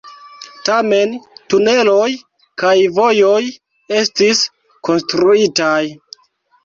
Tamen, tuneloj kaj vojoj estis konstruitaj.